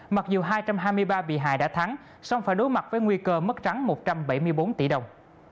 mặc dù hai trăm hai mươi ba bị hại đã thắng xong phải đối mặt với nguy cơ mất trắng một trăm bảy mươi bốn tỷ đồng